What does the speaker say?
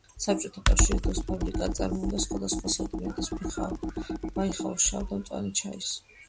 საბჭოთა კავშირის დროს ფაბრიკა აწარმოებდა სხვადასხვა ასორტიმენტის ბაიხაოს შავ და მწვანე ჩაის.